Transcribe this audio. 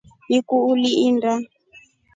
Niku uli inda.